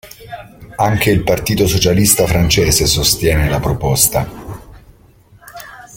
Anche il Partito socialista francese sostiene la proposta.